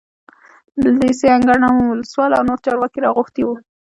د لېسې انګړ ته مو ولسوال او نور چارواکي راغوښتي وو.